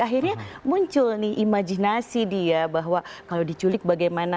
akhirnya muncul nih imajinasi dia bahwa kalau diculik bagaimana